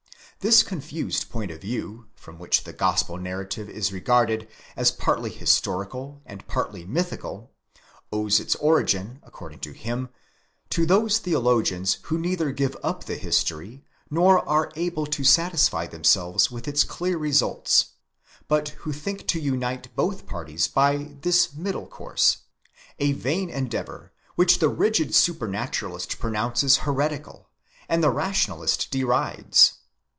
This confused point of view from which the gospel narrative is regarded as partly historical and partly mythical owes its origin, according to him, to those theologians who neither give up the history, nor are able to satisfy themselves with its clear results, but who think to unite both parties by this middle course—a vain en deavour which the rigid supranaturalist pronounces heretical, and the rational ist derides.